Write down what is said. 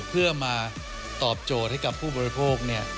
เพื่อมาตอบโจทย์ให้กับผู้บริโภค